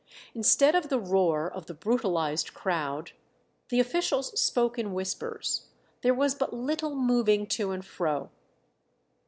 Instead of the roar of the brutalized crowd, the officials spoke in whispers; there was but little moving to and fro.